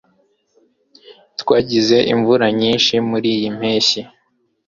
twagize imvura nyinshi muriyi mpeshyi